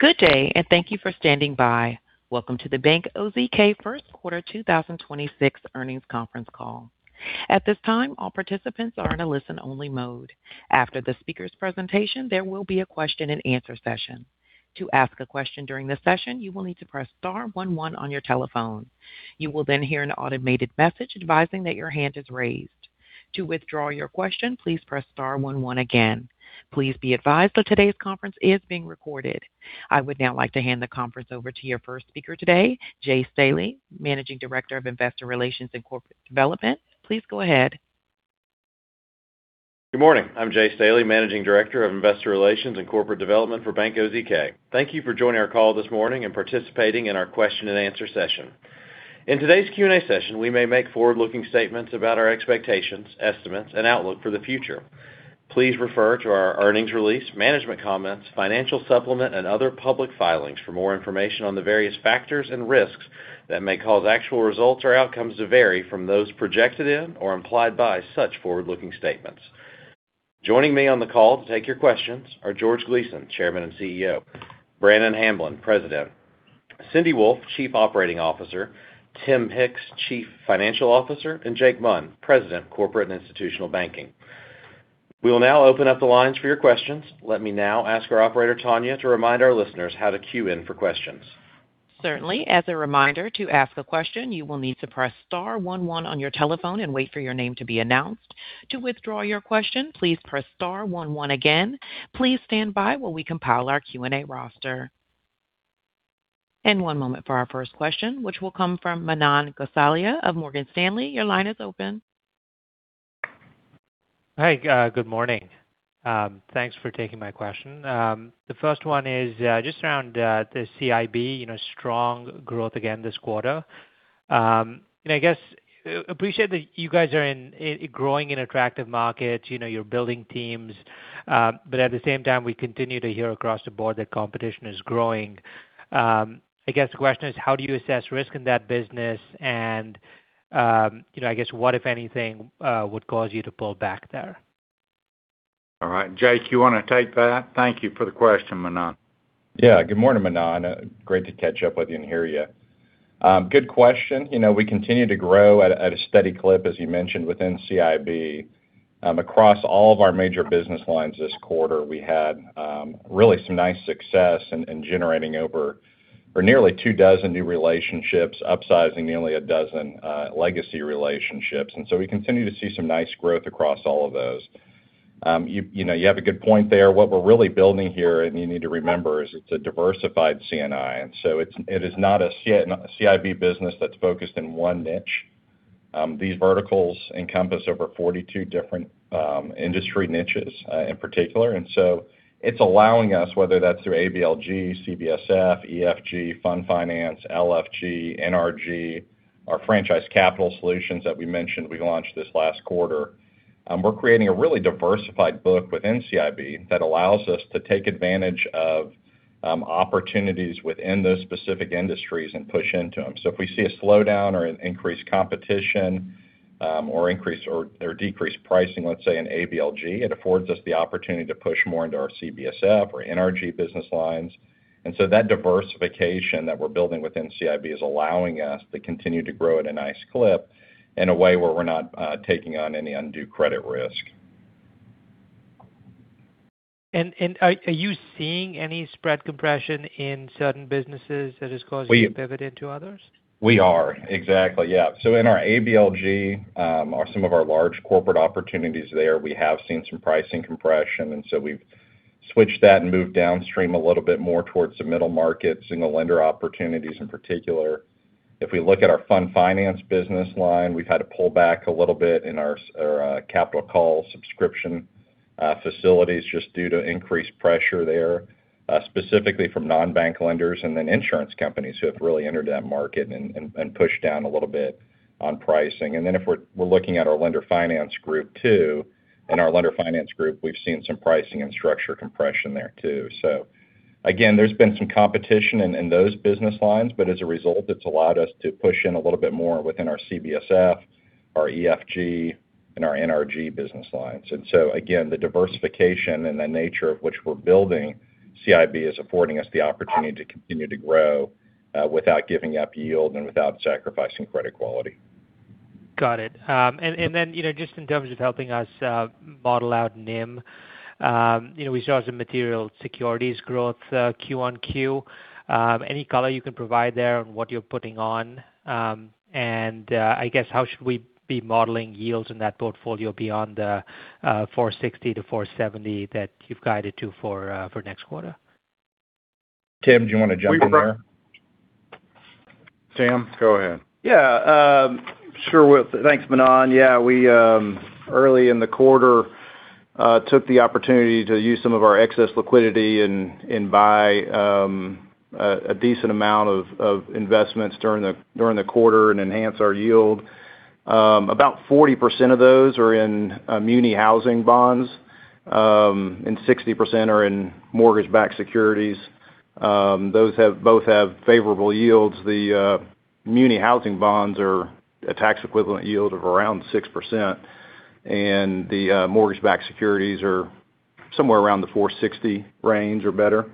Good day, and thank you for standing by. Welcome to the Bank OZK first quarter 2026 earnings conference call. At this time, all participants are in a listen-only mode. After the speaker's presentation, there will be a question and answer session. To ask a question during the session, you will need to press star one one on your telephone. You will then hear an automated message advising that your hand is raised. To withdraw your question, please press star one one again. Please be advised that today's conference is being recorded. I would now like to hand the conference over to your first speaker today, Jay Staley, Managing Director of Investor Relations and Corporate Development. Please go ahead. Good morning. I'm Jay Staley, Managing Director of Investor Relations and Corporate Development for Bank OZK. Thank you for joining our call this morning and participating in our question and answer session. In today's Q&A session, we may make forward-looking statements about our expectations, estimates, and outlook for the future. Please refer to our earnings release, management comments, financial supplement and other public filings for more information on the various factors and risks that may cause actual results or outcomes to vary from those projected in or implied by such forward-looking statements. Joining me on the call to take your questions are George Gleason, Chairman and CEO, Brannon Hamblen, President, Cindy Wolfe, Chief Operating Officer, Tim Hicks, Chief Financial Officer, and Jake Munn, President of Corporate and Institutional Banking. We will now open up the lines for your questions. Let me now ask our operator, Tanya, to remind our listeners how to queue in for questions. Certainly. As a reminder, to ask a question, you will need to press star one one on your telephone and wait for your name to be announced. To withdraw your question, please press star one one again. Please stand by while we compile our Q&A roster. One moment for our first question, which will come from Manan Gosalia of Morgan Stanley. Your line is open. Hi. Good morning. Thanks for taking my question. The first one is just around the CIB strong growth again this quarter. I appreciate that you guys are growing in attractive markets, you're building teams. At the same time, we continue to hear across the board that competition is growing. I guess the question is how do you assess risk in that business, and what if anything, would cause you to pull back there? All right. Jake, you want to take that? Thank you for the question, Manan. Yeah. Good morning, Manan. Great to catch up with you and hear you. Good question. We continue to grow at a steady clip, as you mentioned, within CIB. Across all of our major business lines this quarter, we had really some nice success in generating over or nearly two dozen new relationships, upsizing nearly a dozen legacy relationships. We continue to see some nice growth across all of those. You have a good point there. What we're really building here, and you need to remember, is it's a diversified C&I, and so it is not a CIB business that's focused in one niche. These verticals encompass over 42 different industry niches in particular. It's allowing us, whether that's through ABLG, CBSF, EFG, fund finance, LFG, NRG, our Franchise Capital Solutions that we mentioned we launched this last quarter. We're creating a really diversified book within CIB that allows us to take advantage of opportunities within those specific industries and push into them. If we see a slowdown or an increased competition or decreased pricing, let's say, in ABLG, it affords us the opportunity to push more into our CBSF or NRG business lines. That diversification that we're building within CIB is allowing us to continue to grow at a nice clip in a way where we're not taking on any undue credit risk. Are you seeing any spread compression in certain businesses that is causing you to pivot into others? We are. Exactly, yeah. In our ABLG, some of our large corporate opportunities there, we have seen some pricing compression, and so we've switched that and moved downstream a little bit more towards the middle market, single lender opportunities in particular. If we look at our fund finance business line, we've had to pull back a little bit in our capital call subscription facilities just due to increased pressure there, specifically from non-bank lenders and then insurance companies who have really entered that market and pushed down a little bit on pricing. If we're looking at our lender finance group too, we've seen some pricing and structure compression there too. Again, there's been some competition in those business lines, but as a result, it's allowed us to push in a little bit more within our CBSF, our EFG, and our NRG business lines. Again, the diversification and the nature of which we're building CIB is affording us the opportunity to continue to grow without giving up yield and without sacrificing credit quality. Got it. Just in terms of helping us model out NIM, we saw some material securities growth quarter-on-quarter. Any color you can provide there on what you're putting on? I guess how should we be modeling yields in that portfolio beyond the 460-470 that you've guided to for next quarter? Tim, do you want to jump in there? Tim, go ahead. Yeah. Sure, thanks, Manan. Yeah, we're early in the quarter took the opportunity to use some of our excess liquidity and buy a decent amount of investments during the quarter and enhance our yield. About 40% of those are in muni housing bonds, and 60% are in mortgage-backed securities. Those both have favorable yields. The muni housing bonds are a tax equivalent yield of around 6%. The mortgage-backed securities are somewhere around the 4.60% range or better.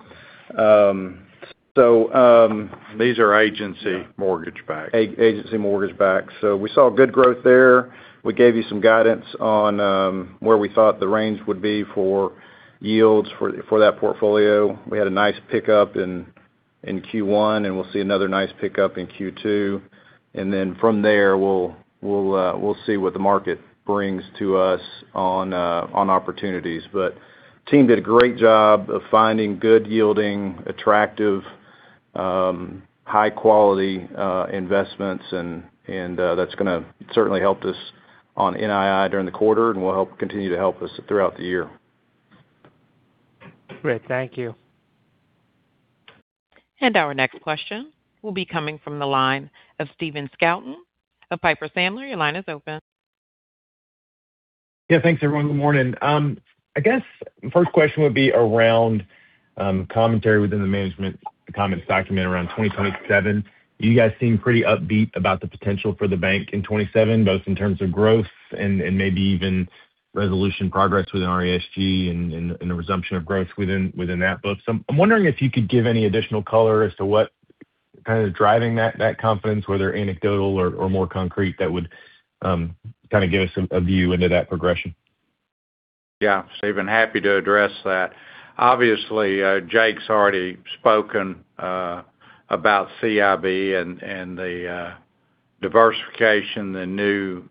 These are agency mortgage-backed. Agency mortgage-backed. We saw good growth there. We gave you some guidance on where we thought the range would be for yields for that portfolio. We had a nice pickup in Q1, and we'll see another nice pickup in Q2. From there, we'll see what the market brings to us on opportunities. Team did a great job of finding good yielding, attractive high-quality investments, and that's going to certainly help us on NII during the quarter, and will continue to help us throughout the year. Great. Thank you. Our next question will be coming from the line of Stephen Scouten of Piper Sandler. Your line is open. Yeah, thanks, everyone. Good morning. I guess first question would be around commentary within the management comments document around 2027. You guys seem pretty upbeat about the potential for the bank in 2027, both in terms of growth and maybe even resolution progress within RESG and the resumption of growth within that book. I'm wondering if you could give any additional color as to what's driving that confidence, whether anecdotal or more concrete, that would kind of give us a view into that progression? Yeah. Stephen, happy to address that. Obviously, Jake's already spoken about CIB and the diversification, the new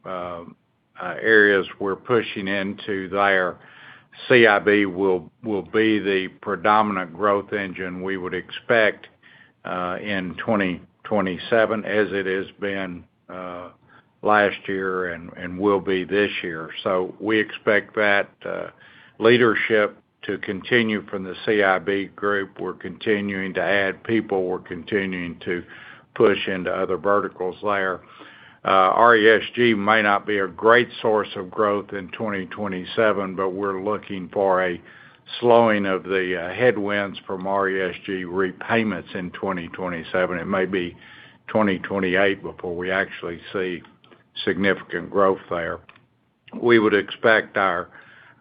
areas we're pushing into there. CIB will be the predominant growth engine we would expect in 2027, as it has been last year and will be this year. We expect that leadership to continue from the CIB group. We're continuing to add people. We're continuing to push into other verticals there. RESG may not be a great source of growth in 2027, but we're looking for a slowing of the headwinds from RESG repayments in 2027. It may be 2028 before we actually see significant growth there. We would expect our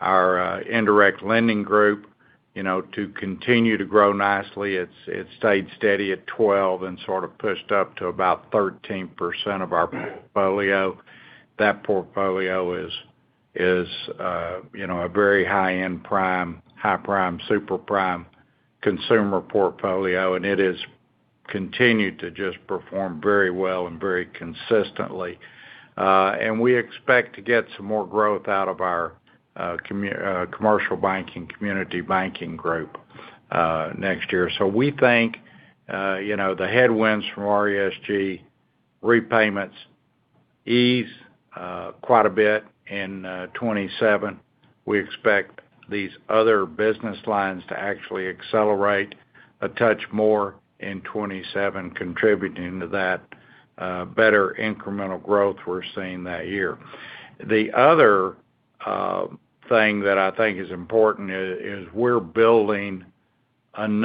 indirect lending group to continue to grow nicely. It stayed steady at 12% and sort of pushed up to about 13% of our portfolio. That portfolio is a very high-end prime, high prime, super prime consumer portfolio, and it has continued to just perform very well and very consistently. We expect to get some more growth out of our commercial banking, community banking group next year. We think the headwinds from RESG repayments ease quite a bit in 2027. We expect these other business lines to actually accelerate a touch more in 2027, contributing to that better incremental growth we're seeing that year. The other thing that I think is important is we're building and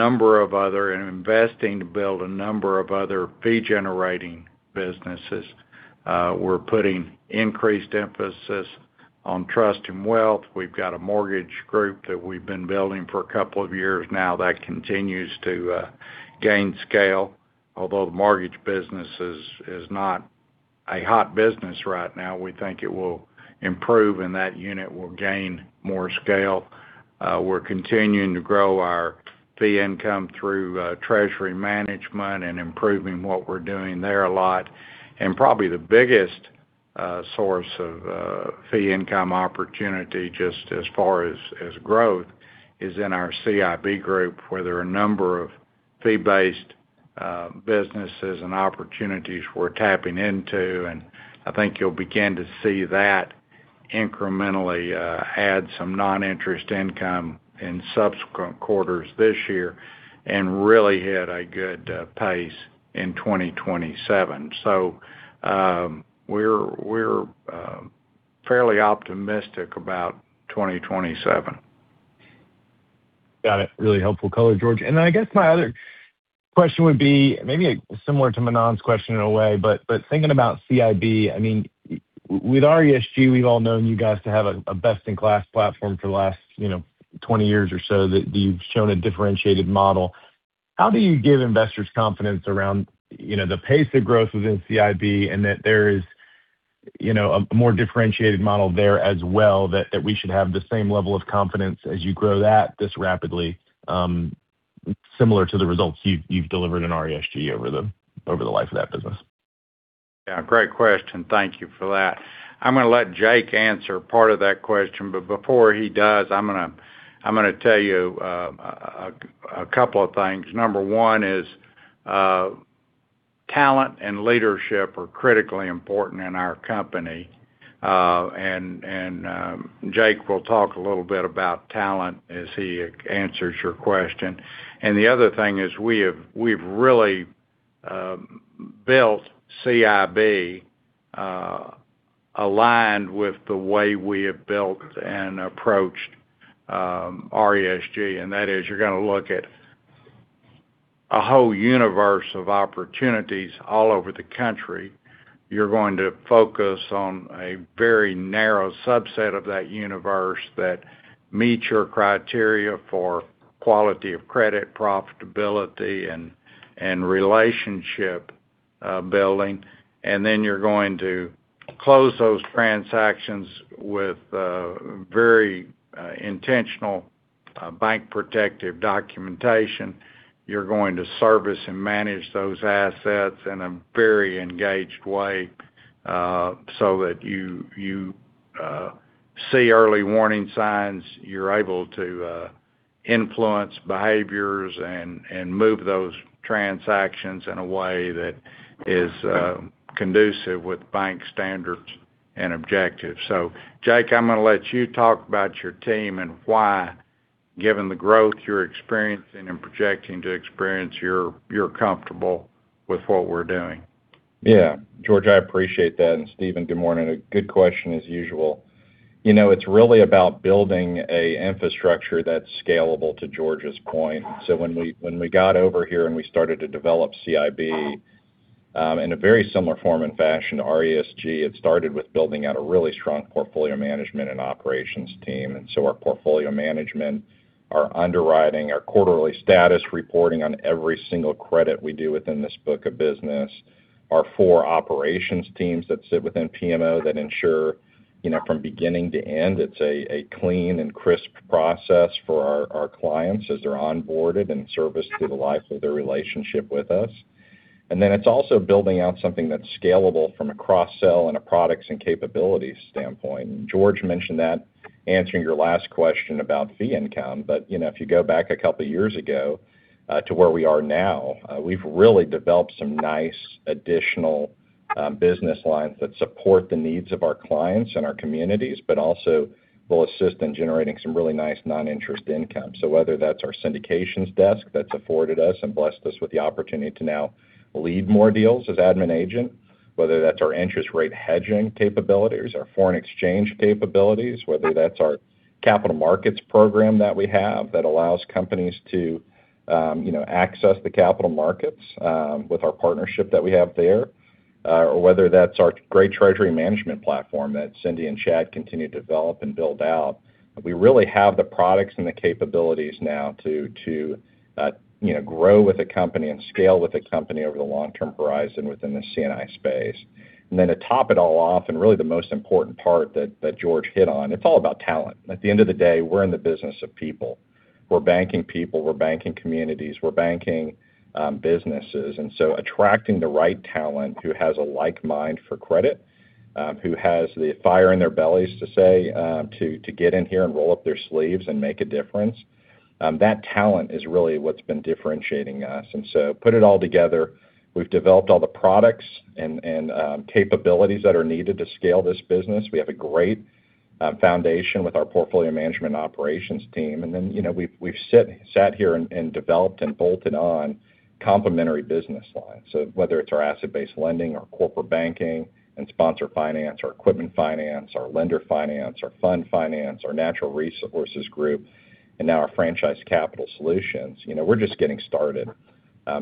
investing to build a number of other fee-generating businesses. We're putting increased emphasis on trust and wealth. We've got a mortgage group that we've been building for a couple of years now that continues to gain scale. Although the mortgage business is not a hot business right now, we think it will improve, and that unit will gain more scale. We're continuing to grow our fee income through treasury management and improving what we're doing there a lot. Probably the biggest source of fee income opportunity, just as far as growth, is in our CIB group, where there are a number of fee-based businesses and opportunities we're tapping into, and I think you'll begin to see that incrementally add some non-interest income in subsequent quarters this year and really hit a good pace in 2027. We're fairly optimistic about 2027. Got it. Really helpful color, George. I guess my other question would be maybe similar to Manan's question in a way, but thinking about CIB, with RESG, we've all known you guys to have a best-in-class platform for the last 20 years or so, that you've shown a differentiated model. How do you give investors confidence around the pace of growth within CIB and that there is a more differentiated model there as well that we should have the same level of confidence as you grow that this rapidly, similar to the results you've delivered in RESG over the life of that business? Yeah. Great question. Thank you for that. I'm going to let Jake answer part of that question. But before he does, I'm going to tell you a couple of things. Number one is talent and leadership are critically important in our company. Jake will talk a little bit about talent as he answers your question. The other thing is we've really built CIB aligned with the way we have built and approached RESG, and that is you're going to look at a whole universe of opportunities all over the country. You're going to focus on a very narrow subset of that universe that meets your criteria for quality of credit, profitability, and relationship building. Then you're going to close those transactions with very intentional bank protective documentation. You're going to service and manage those assets in a very engaged way, so that you see early warning signs, you're able to influence behaviors and move those transactions in a way that is conducive with bank standards and objectives. Jake, I'm going to let you talk about your team and why, given the growth you're experiencing and projecting to experience, you're comfortable with what we're doing. Yeah. George, I appreciate that. Stephen, good morning. A good question as usual. It's really about building an infrastructure that's scalable, to George's point. When we got over here and we started to develop CIB, in a very similar form and fashion to RESG, it started with building out a really strong portfolio management and operations team. Our portfolio management, our underwriting, our quarterly status reporting on every single credit we do within this book of business, our four operations teams that sit within PMO that ensure, from beginning to end, it's a clean and crisp process for our clients as they're onboarded and serviced through the life of their relationship with us. It's also building out something that's scalable from a cross-sell and a products and capabilities standpoint. George mentioned that, answering your last question about fee income. If you go back a couple of years ago, to where we are now, we've really developed some nice additional business lines that support the needs of our clients and our communities, but also will assist in generating some really nice non-interest income. Whether that's our syndications desk that's afforded us and blessed us with the opportunity to now lead more deals as admin agent, whether that's our interest rate hedging capabilities, our foreign exchange capabilities, whether that's our capital markets program that we have that allows companies to access the capital markets with our partnership that we have there, or whether that's our great treasury management platform that Cindy and Chad continue to develop and build out. We really have the products and the capabilities now to grow with a company and scale with a company over the long-term horizon within the C&I space. To top it all off, and really the most important part that George hit on, it's all about talent. At the end of the day, we're in the business of people. We're banking people, we're banking communities, we're banking businesses. Attracting the right talent who has a like mind for credit, who has the fire in their bellies, to say, to get in here and roll up their sleeves and make a difference. That talent is really what's been differentiating us. Put it all together, we've developed all the products and capabilities that are needed to scale this business. We have a great foundation with our portfolio management operations team. We've sat here and developed and bolted on complementary business lines. Whether it's our asset-based lending, our corporate banking and sponsor finance, our equipment finance, our lender finance, our fund finance, our Natural Resources Group, and now our Franchise Capital Solutions. We're just getting started.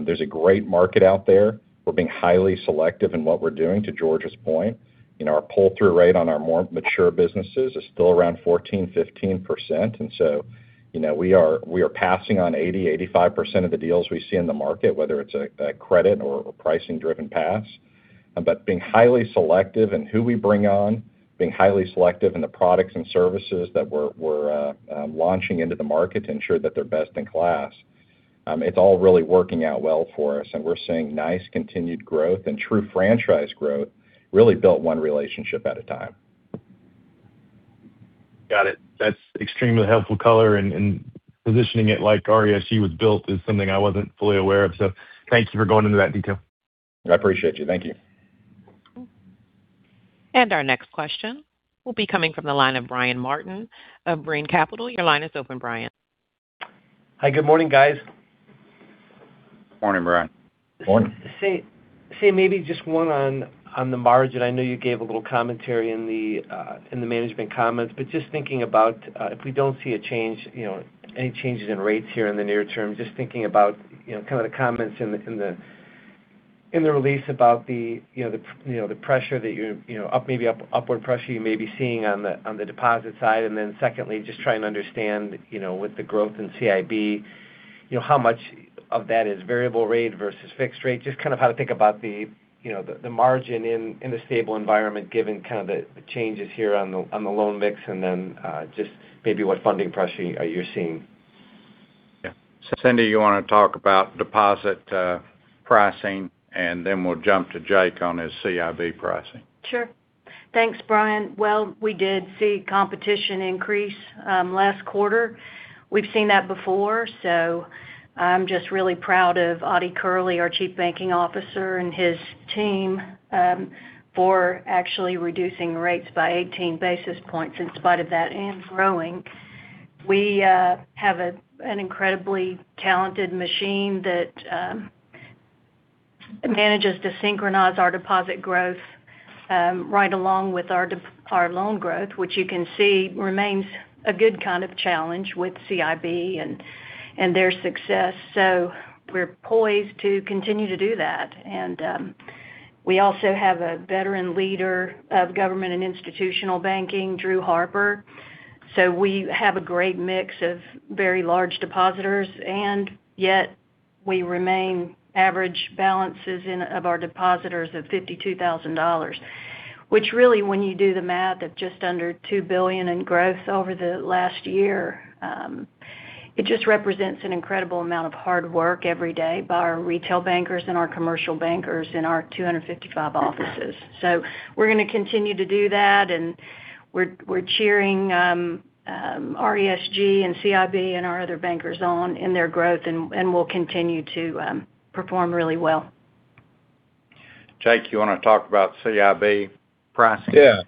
There's a great market out there. We're being highly selective in what we're doing, to George's point. Our pull-through rate on our more mature businesses is still around 14%-15%. We are passing on 80%-85% of the deals we see in the market, whether it's a credit or a pricing-driven pass, being highly selective in who we bring on, being highly selective in the products and services that we're launching into the market to ensure that they're best in class. It's all really working out well for us, and we're seeing nice continued growth and true franchise growth, really built one relationship at a time. Got it. That's extremely helpful color and positioning it like RESG was built is something I wasn't fully aware of. Thank you for going into that detail. I appreciate you. Thank you. Our next question will be coming from the line of Brian Martin of Brean Capital. Your line is open, Brian. Hi. Good morning guys. Morning, Brian. Morning. So maybe just one on the margin. I know you gave a little commentary in the management comments, but just thinking about, if we don't see any changes in rates here in the near term, just thinking about kind of the comments in the release about the upward pressure you may be seeing on the deposit side. Secondly, just trying to understand with the growth in CIB, how much of that is variable rate versus fixed rate? Just kind of how to think about the margin in the stable environment given kind of the changes here on the loan mix, and then just maybe what funding pressure you're seeing? Yeah. Cindy, you want to talk about deposit pricing, and then we'll jump to Jake on his CIB pricing. Sure. Thanks, Brian. Well, we did see competition increase last quarter. We've seen that before, so I'm just really proud of Ottie Kerley, our Chief Banking Officer, and his team, for actually reducing rates by 18 basis points in spite of that, and growing. We have an incredibly talented machine that manages to synchronize our deposit growth right along with our loan growth, which you can see remains a good kind of challenge with CIB and their success. We're poised to continue to do that. We also have a veteran leader of government and institutional banking, Drew Harper. We have a great mix of very large depositors, and yet we remain average balances of our depositors of $52,000, which really, when you do the math, at just under $2 billion in growth over the last year, it just represents an incredible amount of hard work every day by our retail bankers and our commercial bankers in our 255 offices. We're going to continue to do that, and we're cheering RESG and CIB and our other bankers on in their growth, and we'll continue to perform really well. Jake, you want to talk about CIB pricing? Yeah.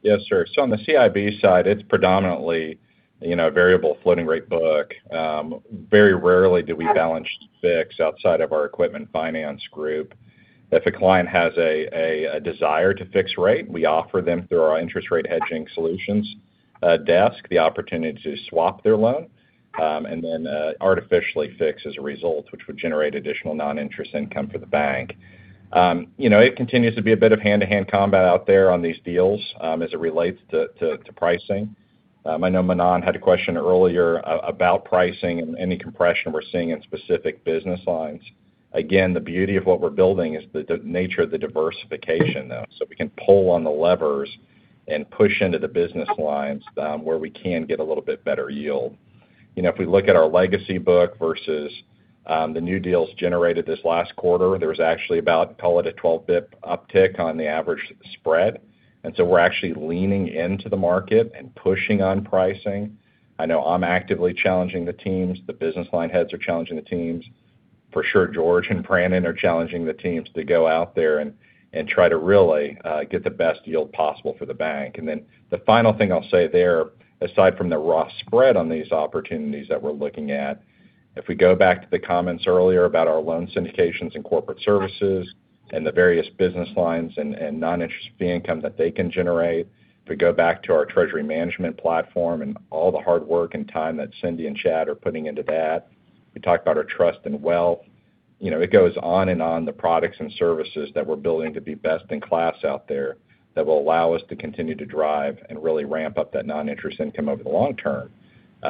Yes, sir. On the CIB side, it's predominantly a variable floating rate book. Very rarely do we balance fix outside of our equipment finance group. If a client has a desire to fix rate, we offer them through our interest rate hedging solutions desk, the opportunity to swap their loan, and then artificially fix as a result, which would generate additional non-interest income for the bank. It continues to be a bit of hand-to-hand combat out there on these deals as it relates to pricing. I know Manan had a question earlier about pricing and any compression we're seeing in specific business lines. Again, the beauty of what we're building is the nature of the diversification, though, so we can pull on the levers and push into the business lines where we can get a little bit better yield. If we look at our legacy book versus the new deals generated this last quarter, there was actually about, call it a 12 bip uptick on the average spread, and so we're actually leaning into the market and pushing on pricing. I know I'm actively challenging the teams. The business line heads are challenging the teams. For sure, George and Brannon are challenging the teams to go out there and try to really get the best yield possible for the bank. The final thing I'll say there, aside from the raw spread on these opportunities that we're looking at, if we go back to the comments earlier about our loan syndications and corporate services and the various business lines and non-interest fee income that they can generate, if we go back to our treasury management platform and all the hard work and time that Cindy and Chad are putting into that. We talked about our trust and wealth. It goes on and on, the products and services that we're building to be best in class out there that will allow us to continue to drive and really ramp up that non-interest income over the long term,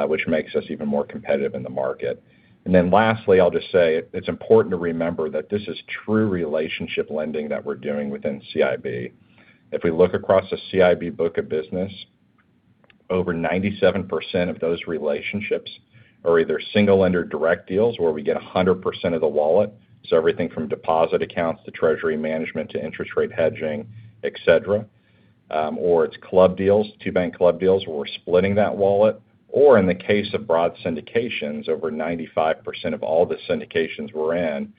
which makes us even more competitive in the market. Lastly, I'll just say it's important to remember that this is true relationship lending that we're doing within CIB. If we look across the CIB book of business, over 97% of those relationships are either single lender direct deals where we get 100% of the wallet, so everything from deposit accounts to treasury management to interest rate hedging, et cetera, or it's club deals, two bank club deals where we're splitting that wallet. Or in the case of broad syndications, over 95% of all the syndications we're in,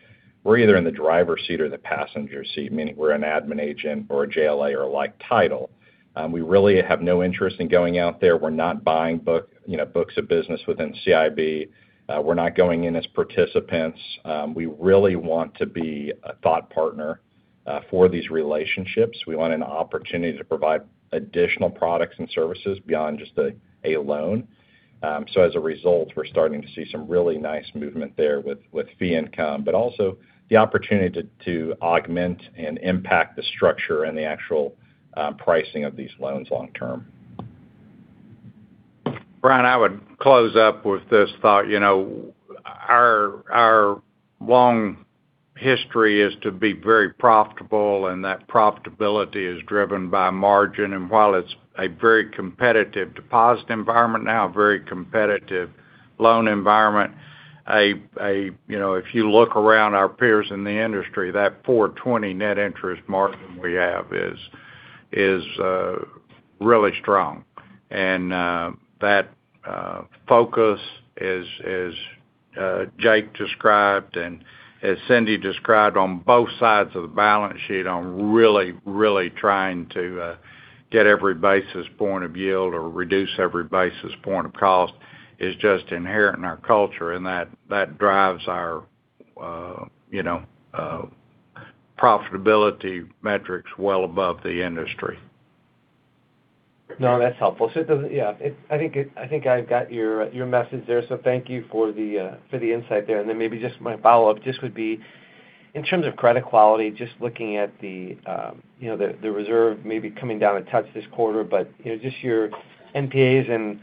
we're either in the driver's seat or the passenger seat, meaning we're an admin agent or a JLA or like title. We really have no interest in going out there. We're not buying books of business within CIB. We're not going in as participants. We really want to be a thought partner for these relationships. We want an opportunity to provide additional products and services beyond just a loan. As a result, we're starting to see some really nice movement there with fee income, but also the opportunity to augment and impact the structure and the actual pricing of these loans long term. Brian, I would close up with this thought. Our long history is to be very profitable, and that profitability is driven by margin. While it's a very competitive deposit environment now, a very competitive loan environment, if you look around our peers in the industry, that 4.20% net interest margin we have is really strong. That focus, as Jake described and as Cindy described on both sides of the balance sheet on really, really trying to get every basis point of yield or reduce every basis point of cost is just inherent in our culture. That drives our profitability metrics well above the industry. No, that's helpful. I think I've got your message there. Thank you for the insight there. Then maybe just my follow-up just would be in terms of credit quality, just looking at the reserve maybe coming down a touch this quarter, but just your NPAs and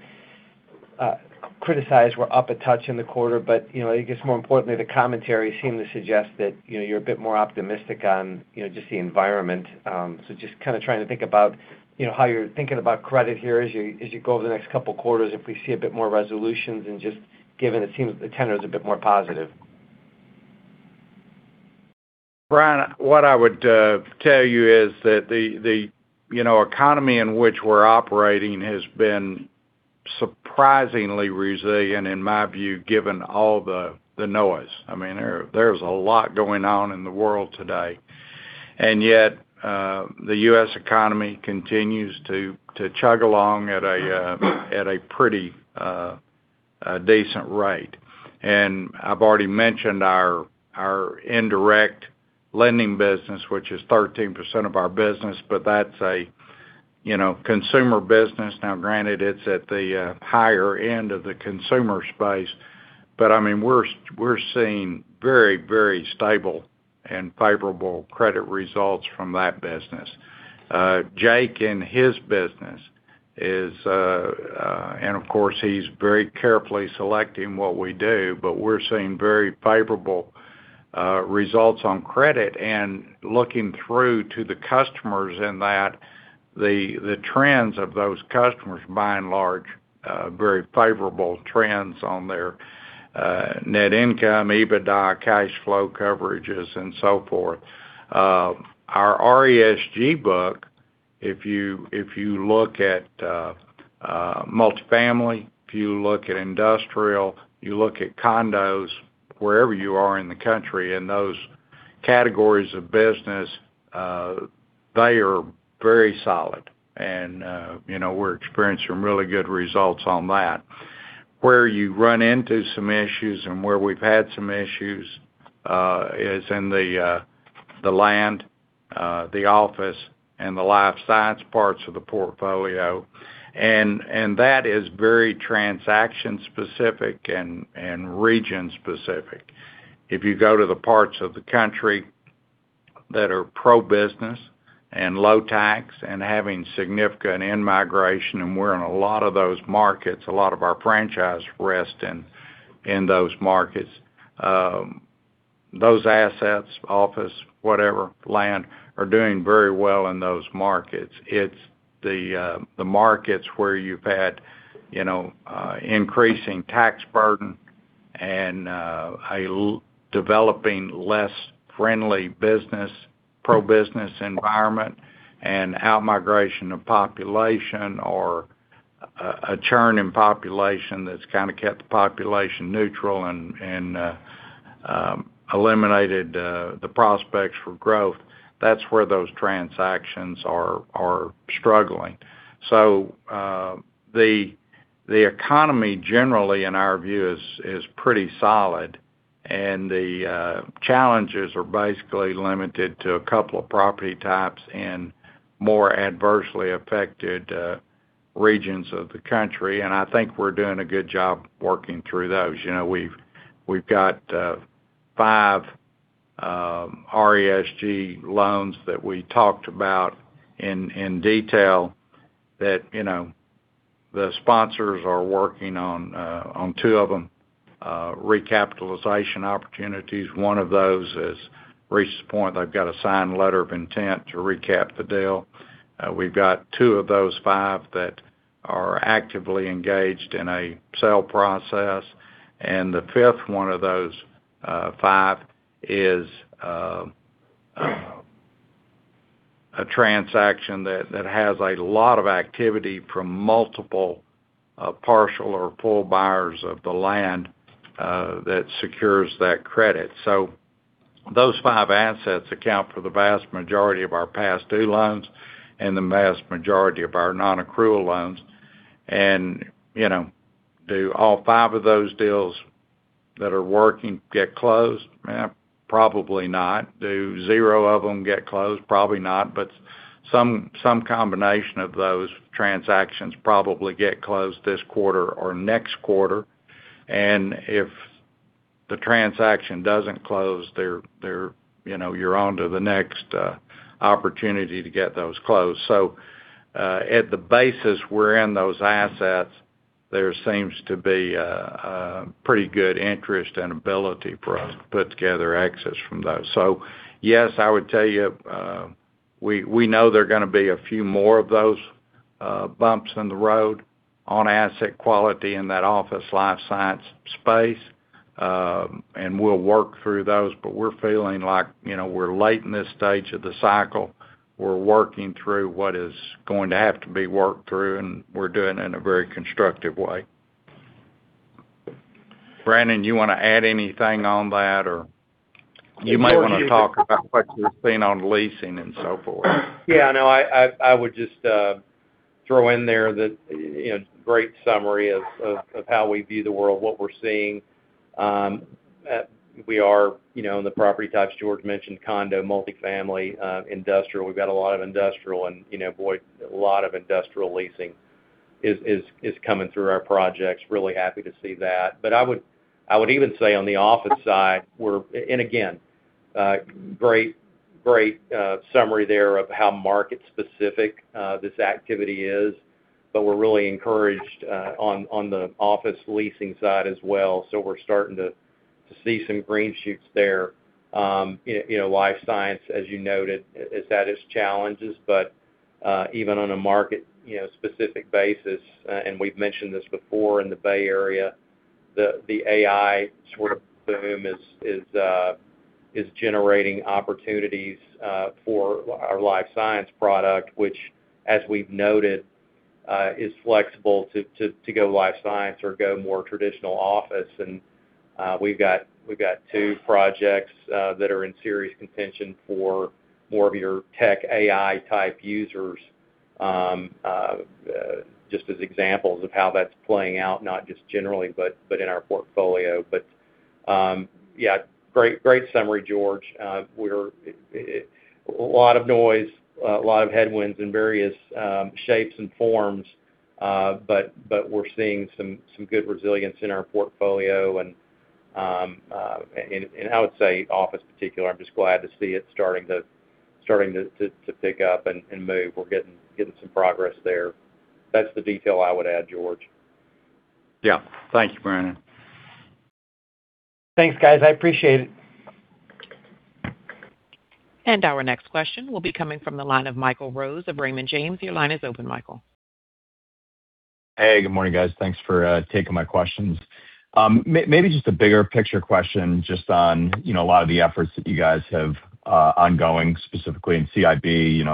criticized were up a touch in the quarter. I guess more importantly, the commentary seemed to suggest that you're a bit more optimistic on just the environment. Just kind of trying to think about how you're thinking about credit here as you go over the next couple quarters, if we see a bit more resolutions and just given it seems the tenor is a bit more positive. Brian, what I would tell you is that the economy in which we're operating has been surprisingly resilient in my view, given all the noise. There's a lot going on in the world today. Yet the U.S. economy continues to chug along at a pretty decent rate. I've already mentioned our indirect lending business, which is 13% of our business, but that's a consumer business. Now, granted, it's at the higher end of the consumer space, but we're seeing very stable and favorable credit results from that business. Jake and his business is. Of course, he's very carefully selecting what we do, but we're seeing very favorable results on credit and looking through to the customers in that, the trends of those customers, by and large, very favorable trends on their net income, EBITDA, cash flow coverages, and so forth. Our RESG book, if you look at multifamily, if you look at industrial, you look at condos, wherever you are in the country, in those categories of business, they are very solid. We're experiencing really good results on that. Where you run into some issues and where we've had some issues is in the land, the office, and the life science parts of the portfolio. That is very transaction specific and region specific. If you go to the parts of the country that are pro-business and low tax and having significant in-migration, and we're in a lot of those markets, a lot of our franchise rests in those markets. Those assets, office, whatever, land, are doing very well in those markets. It's the markets where you've had increasing tax burden and a developing less friendly pro-business environment and out-migration of population or a churn in population that's kind of kept the population neutral and eliminated the prospects for growth. That's where those transactions are struggling. The economy generally, in our view, is pretty solid. The challenges are basically limited to a couple of property types and more adversely affected regions of the country. I think we're doing a good job working through those. We've got five RESG loans that we talked about in detail that the sponsors are working on two of them, recapitalization opportunities. One of those has reached the point they've got a signed letter of intent to recap the deal. We've got two of those five that are actively engaged in a sale process. The fifth one of those five is a transaction that has a lot of activity from multiple partial or full buyers of the land that secures that credit. Those five assets account for the vast majority of our past due loans and the vast majority of our non-accrual loans. Do all five of those deals that are working get closed? Probably not. Do zero of them get closed? Probably not. Some combination of those transactions probably get closed this quarter or next quarter. If the transaction doesn't close, you're on to the next opportunity to get those closed. At the basis we're in those assets, there seems to be a pretty good interest and ability for us to put together exits from those. Yes, I would tell you, we know there are going to be a few more of those bumps in the road on asset quality in that office life science space. We'll work through those, but we're feeling like we're late in this stage of the cycle. We're working through what is going to have to be worked through, and we're doing it in a very constructive way. Brannon, you want to add anything on that, or you might want to talk about what you're seeing on leasing and so forthforth? Yeah, no, I would just throw in there that great summary of how we view the world, what we're seeing. We are in the property types George mentioned, condo, multifamily, industrial. We've got a lot of industrial and boy, a lot of industrial leasing is coming through our projects. Really happy to see that. I would even say on the office side, and again, great summary there of how market specific this activity is, but we're really encouraged on the office leasing side as well. We're starting to see some green shoots there. Life science, as you noted, that has challenges, but even on a market-specific basis, and we've mentioned this before in the Bay Area, the AI sort of boom is generating opportunities for our life science product, which as we've noted, is flexible to go life science or go more traditional office, and we've got two projects that are in serious contention for more of your tech AI type users, just as examples of how that's playing out, not just generally, but in our portfolio. Yeah, great summary, George. A lot of noise, a lot of headwinds in various shapes and forms, but we're seeing some good resilience in our portfolio. I would say office in particular, I'm just glad to see it starting to pick up and move. We're getting some progress there. That's the detail I would add, George. Yeah. Thank you, Brannon. Thanks, guys. I appreciate it. Our next question will be coming from the line of Michael Rose of Raymond James. Your line is open, Michael. Hey, good morning, guys. Thanks for taking my questions. Maybe just a bigger picture question just on a lot of the efforts that you guys have ongoing, specifically in CIB.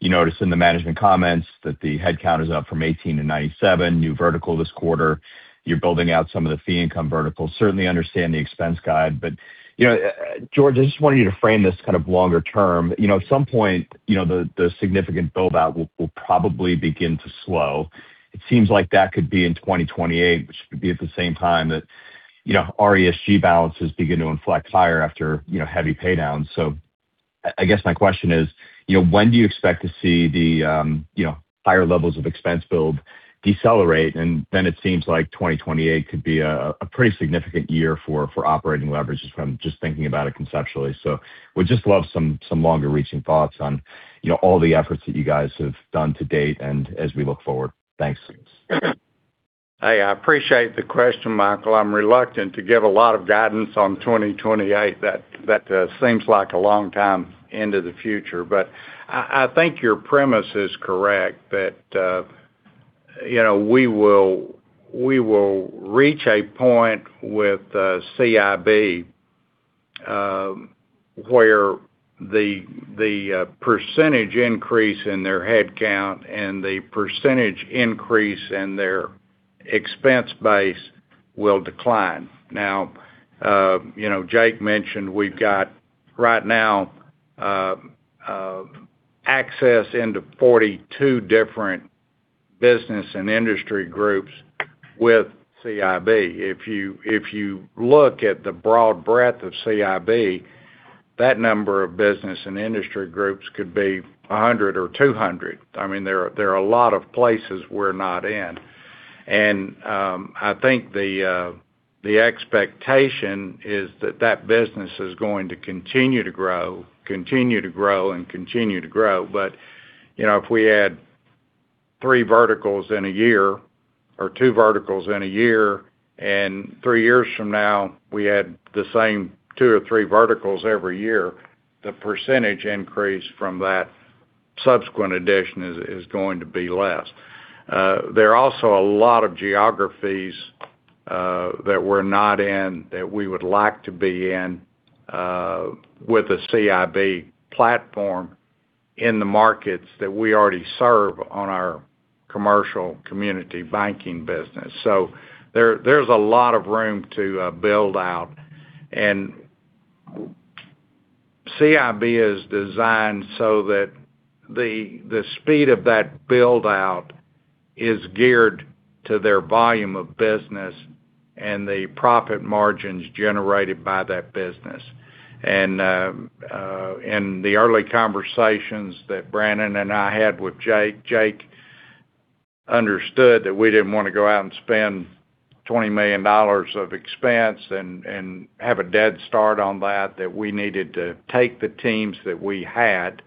You notice in the management comments that the headcount is up from 18 to 97, new vertical this quarter. You're building out some of the fee income verticals. Certainly understand the expense guide. George, I just wanted you to frame this kind of longer term. At some point, the significant build-out will probably begin to slow. It seems like that could be in 2028, which could be at the same time that RESG balances begin to inflect higher after heavy pay downs. I guess my question is, when do you expect to see the higher levels of expense build decelerate? It seems like 2028 could be a pretty significant year for operating leverage, just from thinking about it conceptually. Would just love some longer reaching thoughts on all the efforts that you guys have done to date and as we look forward. Thanks. Hey, I appreciate the question, Michael. I'm reluctant to give a lot of guidance on 2028. That seems like a long time into the future. I think your premise is correct that we will reach a point with CIB, where the percentage increase in their headcount and the percentage increase in their expense base will decline. Now, Jake mentioned we've got, right now, access into 42 different business and industry groups with CIB. If you look at the broad breadth of CIB, that number of business and industry groups could be 100 or 200. There are a lot of places we're not in. I think the expectation is that business is going to continue to grow. If we add three verticals in a year or two verticals in a year, and three years from now, we add the same two or three verticals every year, the percentage increase from that subsequent addition is going to be less. There are also a lot of geographies that we're not in that we would like to be in with a CIB platform in the markets that we already serve on our commercial community banking business. There's a lot of room to build out. CIB is designed so that the speed of that build-out is geared to their volume of business and the profit margins generated by that business. In the early conversations that Brannon and I had with Jake understood that we didn't want to go out and spend $20 million of expense and have a dead start on that we needed to take the teams that we had,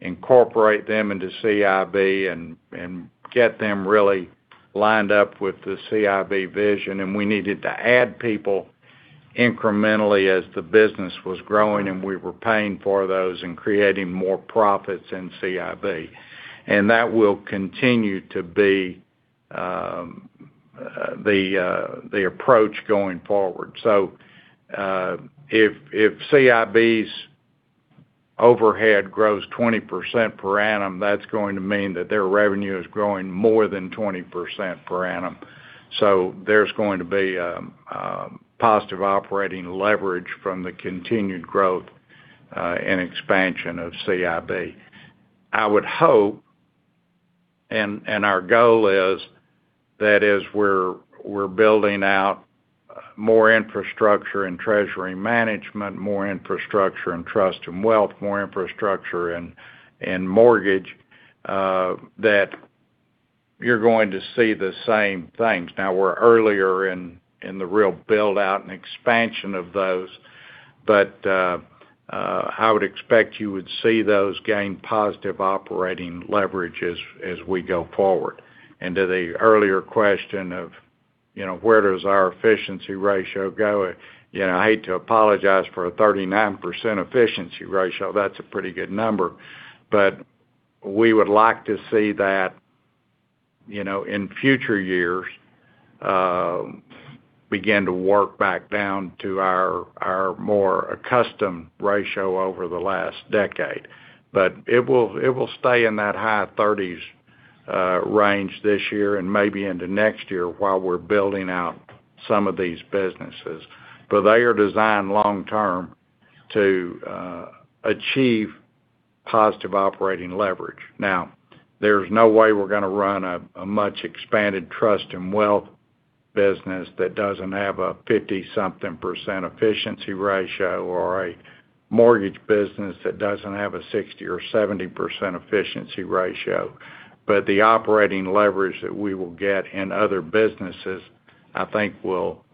incorporate them into CIB, and get them really lined up with the CIB vision, and we needed to add people incrementally as the business was growing, and we were paying for those and creating more profits in CIB. That will continue to be the approach going forward. If CIB's overhead grows 20% per annum, that's going to mean that their revenue is growing more than 20% per annum. There's going to be a positive operating leverage from the continued growth and expansion of CIB. I would hope, and our goal is that as we're building out more infrastructure in treasury management, more infrastructure in trust and wealth, more infrastructure in mortgage, that you're going to see the same things. Now, we're earlier in the real build-out and expansion of those, but I would expect you would see those gain positive operating leverage as we go forward. To the earlier question of where does our efficiency ratio go? I hate to apologize for a 39% efficiency ratio. That's a pretty good number. We would like to see that in future years, begin to work back down to our more accustomed ratio over the last decade. It will stay in that high 30s% range this year and maybe into next year while we're building out some of these businesses. They are designed long-term to achieve positive operating leverage. Now, there's no way we're going to run a much expanded trust and wealth business that doesn't have a 50-something percent efficiency ratio or a mortgage business that doesn't have a 60% or 70% efficiency ratio. The operating leverage that we will get in other businesses, I think will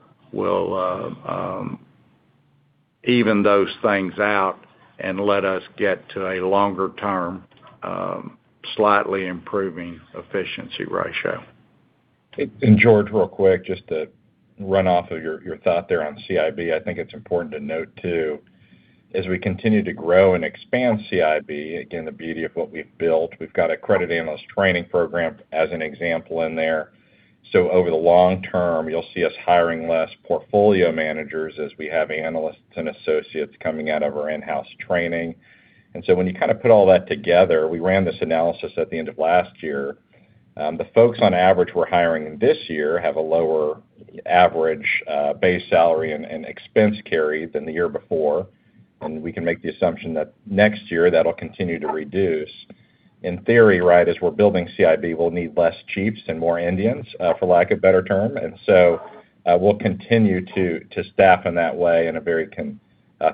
even those things out and let us get to a longer term, slightly improving efficiency ratio. George, real quick, just to run off of your thought there on CIB. I think it's important to note too, as we continue to grow and expand CIB, again, the beauty of what we've built, we've got a credit analyst training program as an example in there. Over the long term, you'll see us hiring less portfolio managers as we have analysts and associates coming out of our in-house training. When you kind of put all that together, we ran this analysis at the end of last year. The folks on average we're hiring this year have a lower average base salary and expense carry than the year before. We can make the assumption that next year, that'll continue to reduce. In theory, right, as we're building CIB, we'll need less chiefs and more Indians, for lack of a better term. We'll continue to staff in that way in a very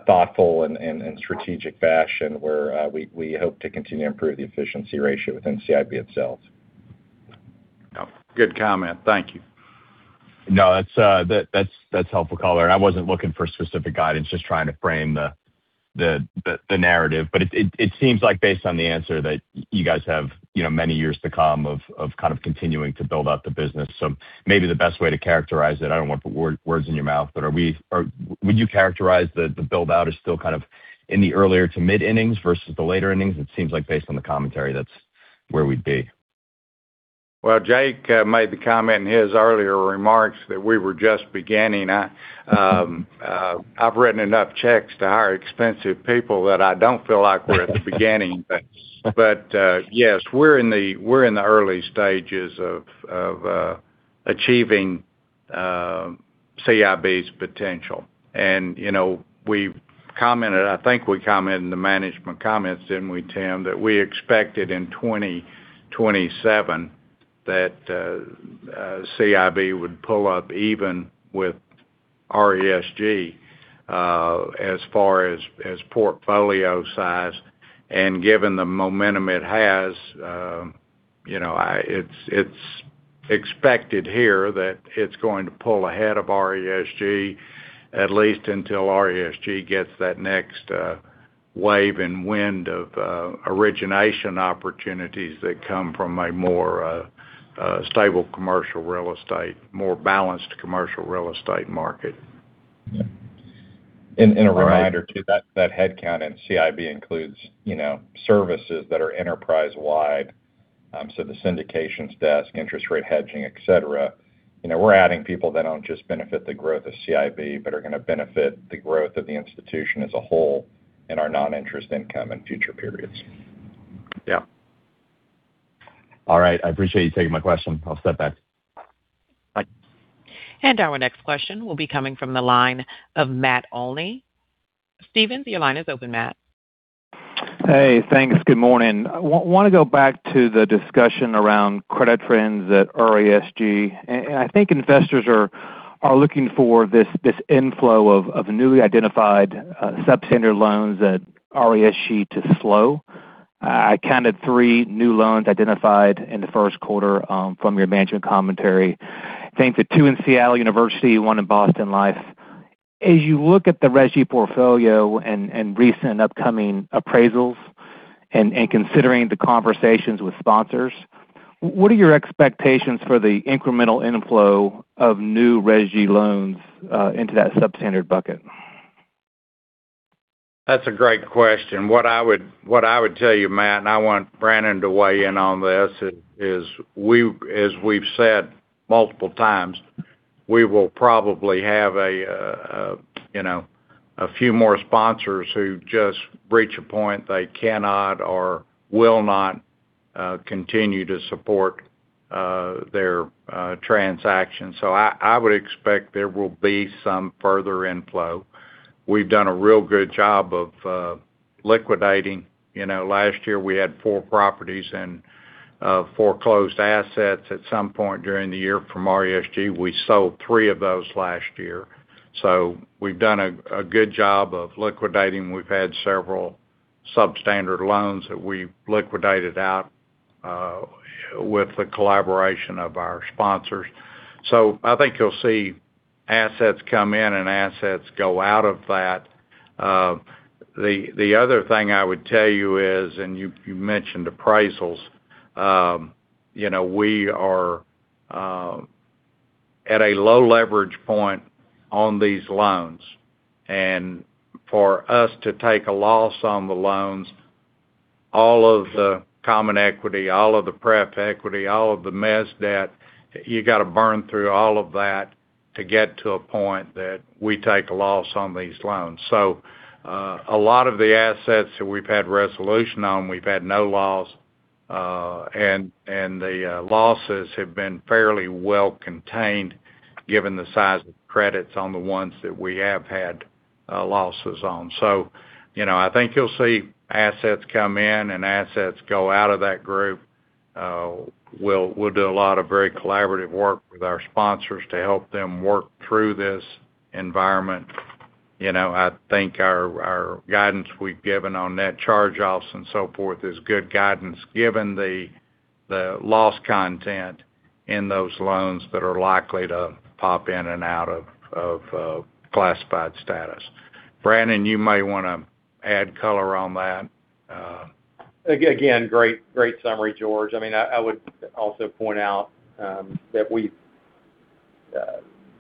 thoughtful and strategic fashion where we hope to continue to improve the efficiency ratio within CIB itself. Good comment. Thank you. No, that's helpful color. I wasn't looking for specific guidance, just trying to frame the narrative. It seems like based on the answer that you guys have many years to come of kind of continuing to build out the business. Maybe the best way to characterize it, I don't want to put words in your mouth, but would you characterize the build-out as still kind of in the earlier to mid-innings versus the later innings? It seems like based on the commentary, that's where we'd be. Well, Jake made the comment in his earlier remarks that we were just beginning. I've written enough checks to hire expensive people that I don't feel like we're at the beginning. Yes, we're in the early stages of achieving CIB's potential. We commented, I think we commented in the management comments, didn't we, Tim, that we expected in 2027 that CIB would pull up even with RESG as far as portfolio size. Given the momentum it has, it's expected here that it's going to pull ahead of RESG at least until RESG gets that next wave and wind of origination opportunities that come from a more stable commercial real estate, more balanced commercial real estate market. A reminder, too, that headcount in CIB includes services that are enterprise-wide. The syndications desk, interest rate hedging, et cetera. We're adding people that don't just benefit the growth of CIB, but are going to benefit the growth of the institution as a whole in our non-interest income in future periods. Yeah. All right. I appreciate you taking my question. I'll step back. Bye. Our next question will be coming from the line of Matt Olney. Stephens, your line is open, Matt. Hey, thanks. Good morning. I want to go back to the discussion around credit trends at RESG. I think investors are looking for this inflow of newly identified substandard loans at RESG to slow. I counted three new loans identified in the first quarter from your management commentary. I think the two in Seattle University, one in Boston Life. As you look at the RESG portfolio and recent upcoming appraisals and considering the conversations with sponsors, what are your expectations for the incremental inflow of new RESG loans into that substandard bucket? That's a great question. What I would tell you, Matt, and I want Brannon to weigh in on this, is as we've said multiple times, we will probably have a few more sponsors who just reach a point they cannot or will not continue to support their transactions. I would expect there will be some further inflow. We've done a real good job of liquidating. Last year, we had four properties and four closed assets at some point during the year from RESG. We sold three of those last year. We've done a good job of liquidating. We've had several substandard loans that we liquidated out with the collaboration of our sponsors. I think you'll see assets come in and assets go out of that. The other thing I would tell you is, and you mentioned appraisals, we are at a low leverage point on these loans. For us to take a loss on the loans, all of the common equity, all of the pref equity, all of the mezz debt, you got to burn through all of that to get to a point that we take a loss on these loans. A lot of the assets that we've had resolution on, we've had no loss, and the losses have been fairly well contained given the size of credits on the ones that we have had losses on. I think you'll see assets come in and assets go out of that group. We'll do a lot of very collaborative work with our sponsors to help them work through this environment. I think our guidance we've given on net charge-offs and so forth is good guidance, given the loss content in those loans that are likely to pop in and out of classified status. Brannon, you may want to add color on that. Again, great summary, George. I would also point out that we've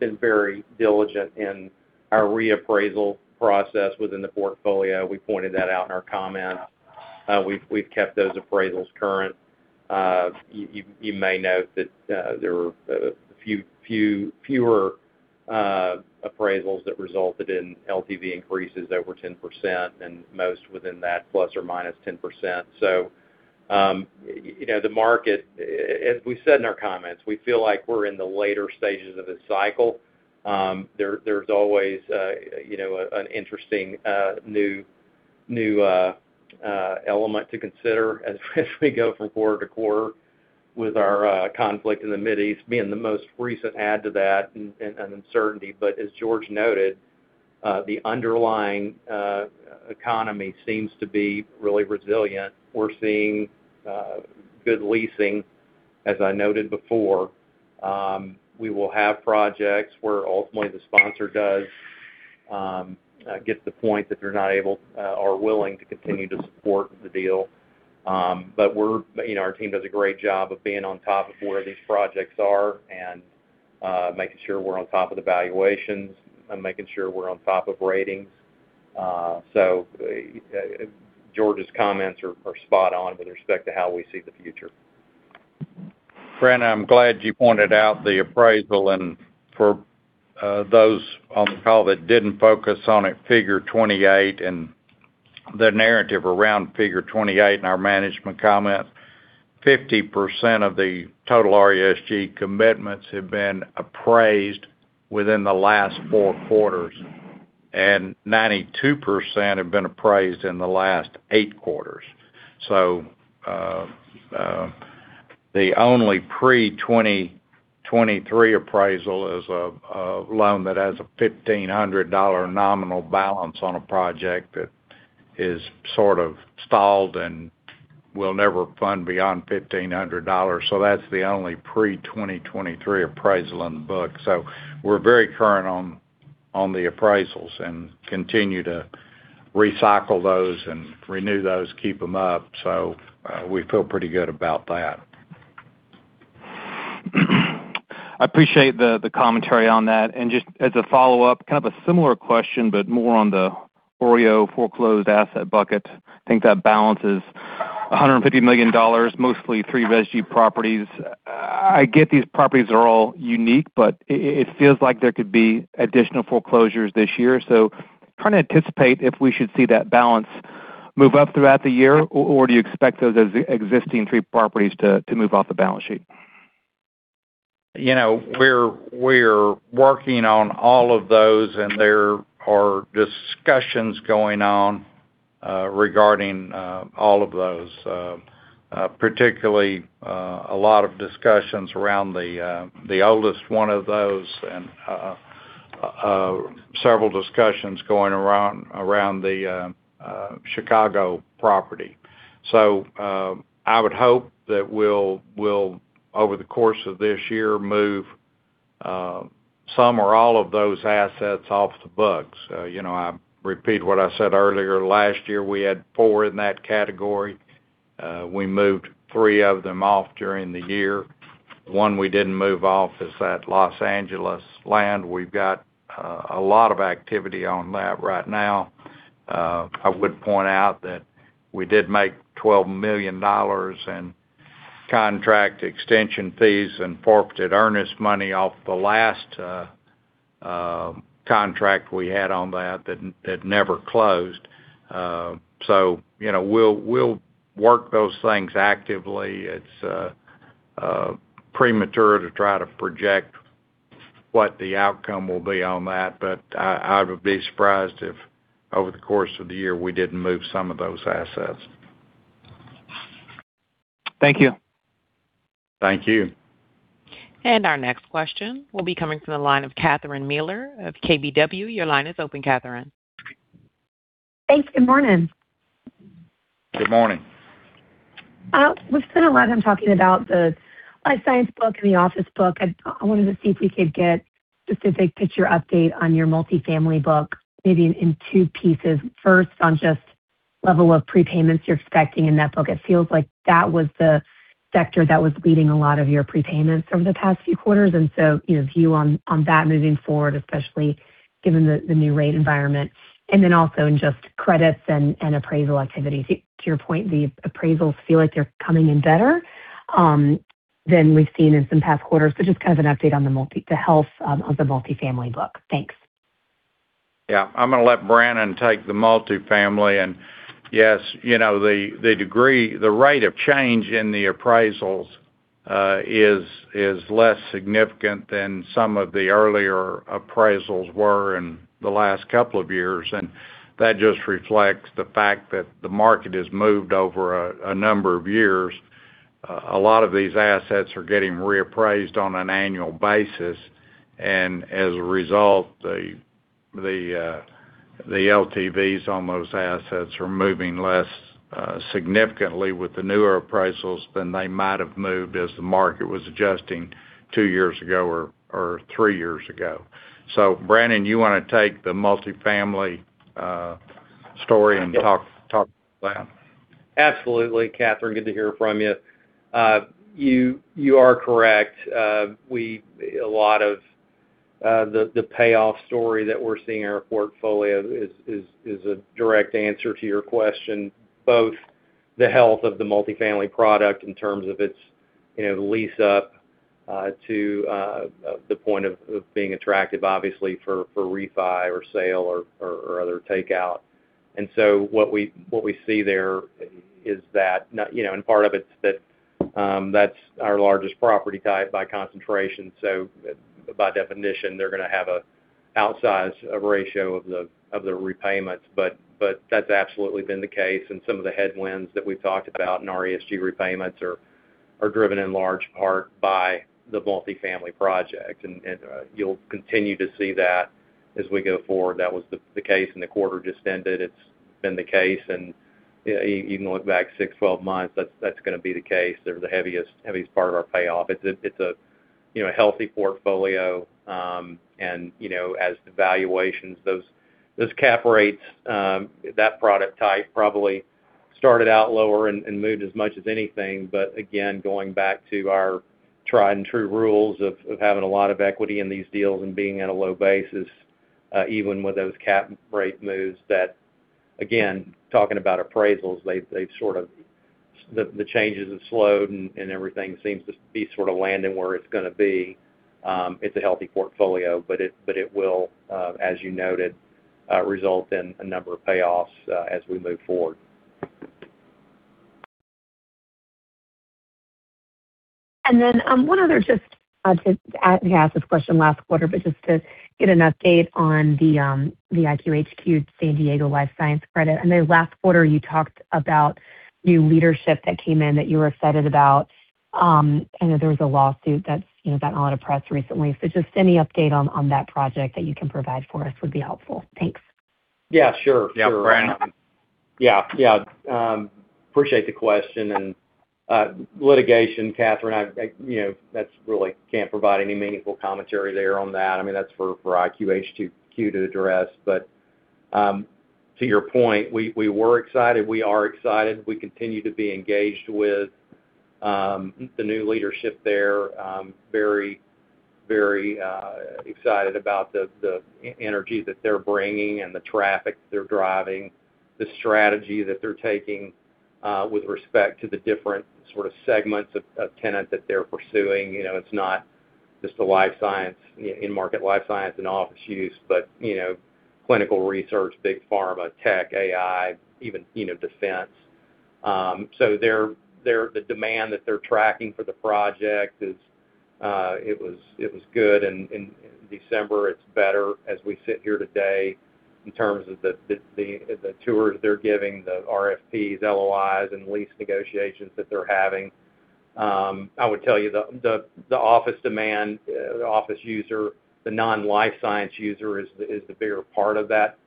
been very diligent in our reappraisal process within the portfolio. We pointed that out in our comments. We've kept those appraisals current. You may note that there were fewer appraisals that resulted in LTV increases over 10% and most within that ±10%. The market, as we said in our comments, we feel like we're in the later stages of this cycle. There's always an interesting new element to consider as we go from quarter to quarter with our conflict in the Mideast being the most recent add to that and uncertainty. As George noted, the underlying economy seems to be really resilient. We're seeing good leasing, as I noted before. We will have projects where ultimately the sponsor does get to the point that they're not able or willing to continue to support the deal. Our team does a great job of being on top of where these projects are and making sure we're on top of the valuations and making sure we're on top of ratings. George's comments are spot on with respect to how we see the future. Brannon, I'm glad you pointed out the appraisal, and for those on the call that didn't focus on it, figure 28 and the narrative around figure 28 in our management comments, 50% of the total RESG commitments have been appraised within the last four quarters, and 92% have been appraised in the last eight quarters. The only pre-2023 appraisal is a loan that has a $1,500 nominal balance on a project that is sort of stalled and will never fund beyond $1,500. That's the only pre-2023 appraisal on the books. We're very current on the appraisals and continue to recycle those and renew those, keep them up. We feel pretty good about that. I appreciate the commentary on that. Just as a follow-up, kind of a similar question, but more on the OREO foreclosed asset bucket. I think that balance is $150 million, mostly three RESG properties. I get these properties are all unique, but it feels like there could be additional foreclosures this year. Trying to anticipate if we should see that balance move up throughout the year, or do you expect those existing three properties to move off the balance sheet? We're working on all of those, and there are discussions going on regarding all of those. Particularly, a lot of discussions around the oldest one of those, and several discussions going around the Chicago property. I would hope that we'll, over the course of this year, move some or all of those assets off the books. I repeat what I said earlier. Last year, we had four in that category. We moved three of them off during the year. One we didn't move off is that Los Angeles land. We've got a lot of activity on that right now. I would point out that we did make $12 million in contract extension fees and forfeited earnest money off the last contract we had on that that never closed. We'll work those things actively. It's premature to try to project what the outcome will be on that, but I would be surprised if over the course of the year, we didn't move some of those assets. Thank you. Thank you. Our next question will be coming from the line of Catherine Mealor of KBW. Your line is open, Catherine. Thanks. Good morning. Good morning. We've spent a lot of time talking about the life science book and the office book. I wanted to see if we could get specific picture update on your multifamily book, maybe in two pieces. First, on just level of prepayments you're expecting in that book. It feels like that was the sector that was leading a lot of your prepayments over the past few quarters, and so your view on that moving forward, especially given the new rate environment. Then also in just credits and appraisal activities. To your point, the appraisals feel like they're coming in better than we've seen in some past quarters. Just kind of an update on the health of the multifamily book. Thanks. Yeah. I'm going to let Brannon take the multifamily and yes, the rate of change in the appraisals is less significant than some of the earlier appraisals were in the last couple of years, and that just reflects the fact that the market has moved over a number of years. A lot of these assets are getting reappraised on an annual basis, and as a result, the LTVs on those assets are moving less significantly with the newer appraisals than they might have moved as the market was adjusting two years ago or three years ago. Brannon, you want to take the multifamily story and talk about it? Absolutely, Catherine, good to hear from you. You are correct. A lot of the payoff story that we're seeing in our portfolio is a direct answer to your question, both the health of the multifamily product in terms of its lease up to the point of being attractive, obviously, for refi or sale or other takeout. What we see there is that, and part of it's that's our largest property type by concentration. By definition, they're going to have an outsized ratio of the repayments. That's absolutely been the case. Some of the headwinds that we've talked about in our RESG repayments are driven in large part by the multifamily project. You'll continue to see that as we go forward. That was the case in the quarter just ended. It's been the case, and you can look back six, 12 months, that's going to be the case. They're the heaviest part of our payoff. It's a healthy portfolio. As valuations, those cap rates, that product type probably started out lower and moved as much as anything. Again, going back to our tried and true rules of having a lot of equity in these deals and being at a low basis, even with those cap rate moves, that again, talking about appraisals, the changes have slowed and everything seems to be sort of landing where it's going to be. It's a healthy portfolio, but it will, as you noted, result in a number of payoffs as we move forward. One other, just. I think I asked this question last quarter, but just to get an update on the IQHQ San Diego life science credit. I know last quarter you talked about new leadership that came in that you were excited about. I know there was a lawsuit that's gotten a lot of press recently. Just any update on that project that you can provide for us would be helpful. Thanks. Yeah, sure. Yeah. Brannon. Yeah. Appreciate the question. Litigation, Catherine, that's really can't provide any meaningful commentary there on that. I mean, that's for IQHQ to address. To your point, we were excited. We are excited. We continue to be engaged with the new leadership there. Very excited about the energy that they're bringing and the traffic they're driving, the strategy that they're taking with respect to the different sort of segments of tenant that they're pursuing. It's not just the life science, in-market life science and office use, but clinical research, big pharma, tech, AI, even defense. The demand that they're tracking for the project, it was good in December. It's better as we sit here today in terms of the tours they're giving, the RFPs, LOIs, and lease negotiations that they're having. I would tell you the office demand, the office user, the non-life science user is the bigger part of that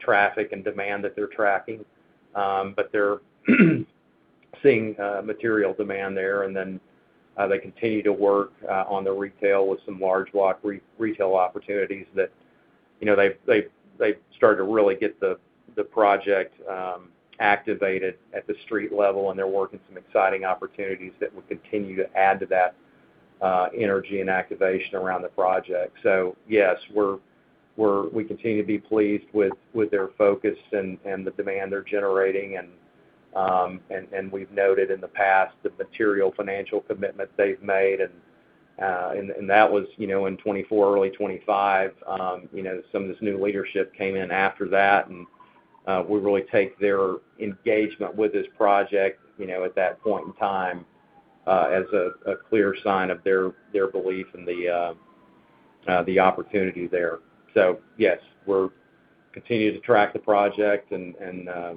traffic and demand that they're tracking. They're seeing material demand there. They continue to work on the retail with some large block retail opportunities that they've started to really get the project activated at the street level, and they're working some exciting opportunities that will continue to add to that energy and activation around the project. Yes, we continue to be pleased with their focus and the demand they're generating, and we've noted in the past the material financial commitment they've made. That was in 2024, early 2025. Some of this new leadership came in after that, and we really take their engagement with this project, at that point in time, as a clear sign of their belief in the opportunity there. Yes, we're continuing to track the project and are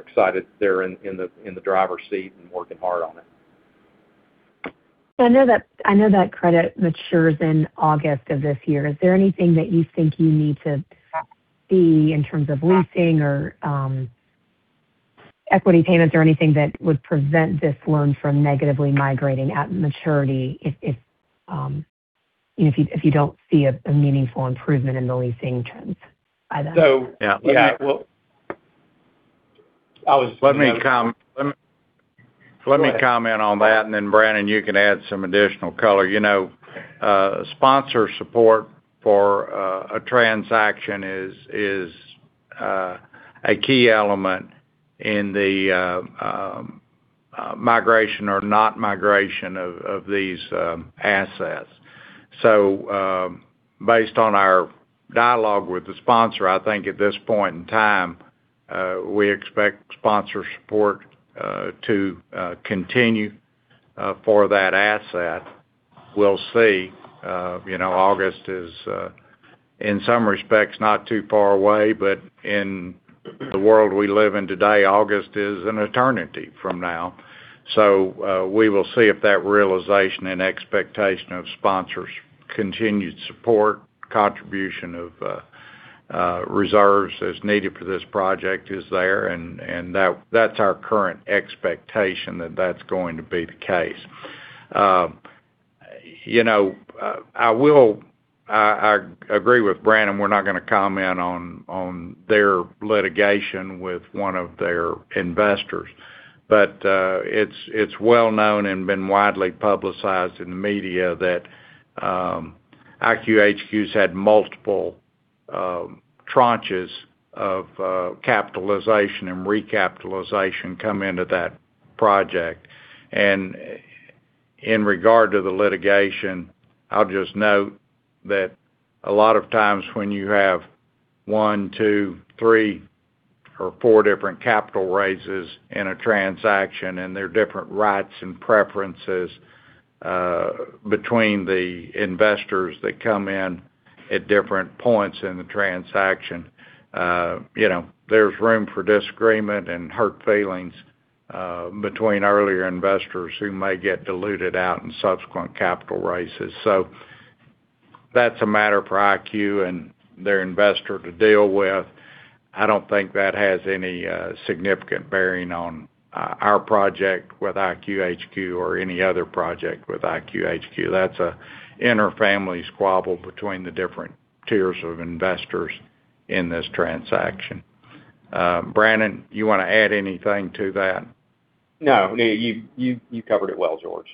excited they're in the driver's seat and working hard on it. I know that credit matures in August of this year. Is there anything that you think you need to see in terms of leasing or equity payments or anything that would prevent this loan from negatively migrating at maturity if you don't see a meaningful improvement in the leasing trends by then? Yeah. Yeah. I was- Let me comment on that. Then Brannon, you can add some additional color. Sponsor support for a transaction is a key element in the migration or not migration of these assets. Based on our dialogue with the sponsor, I think at this point in time, we expect sponsor support to continue for that asset. We'll see. August is, in some respects, not too far away, but in the world we live in today, August is an eternity from now. We will see if that realization and expectation of sponsors' continued support, contribution of reserves as needed for this project is there, and that's our current expectation that that's going to be the case. I agree with Brannon, we're not going to comment on their litigation with one of their investors. It's well-known and been widely publicized in the media that IQHQ's had multiple tranches of capitalization and recapitalization come into that project. In regard to the litigation, I'll just note that a lot of times when you have one, two, three, or four different capital raises in a transaction, and there are different rights and preferences between the investors that come in at different points in the transaction, there's room for disagreement and hurt feelings between earlier investors who may get diluted out in subsequent capital raises. That's a matter for IQ and their investor to deal with. I don't think that has any significant bearing on our project with IQHQ or any other project with IQHQ. That's an inner family squabble between the different tiers of investors in this transaction. Brannon, you want to add anything to that? No, you covered it well, George.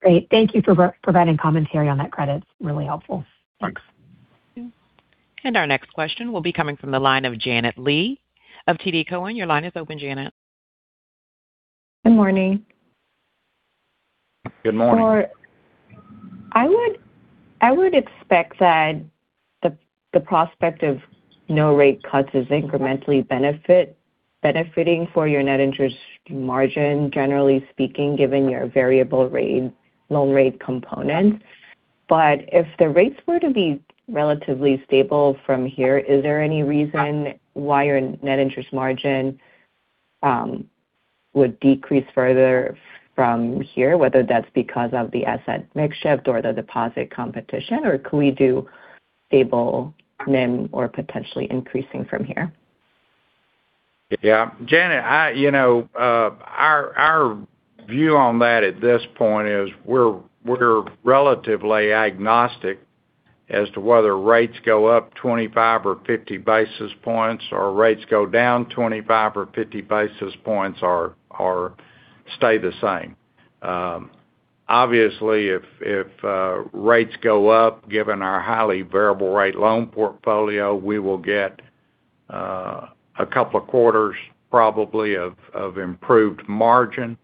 Great. Thank you for providing commentary on that credit. It's really helpful. Thanks. Our next question will be coming from the line of Janet Lee of TD Cowen. Your line is open, Janet. Good morning. Good morning. I would expect that the prospect of no rate cuts is incrementally benefiting for your net interest margin, generally speaking, given your variable loan rate component. If the rates were to be relatively stable from here, is there any reason why your net interest margin would decrease further from here, whether that's because of the asset mix shift or the deposit competition? Or could we do stable NIM or potentially increasing from here? Yeah. Janet, our view on that at this point is we're relatively agnostic as to whether rates go up, 25 or 50 basis points, or rates go down 25 or 50 basis points, or stay the same. Obviously, if rates go up, given our highly variable rate loan portfolio, we will get a couple of quarters, probably of improved margin,